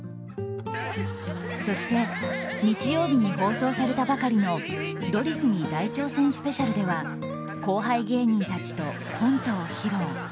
そして日曜日に放送されたばかりの「ドリフに大挑戦スペシャル」では後輩芸人たちとコントを披露。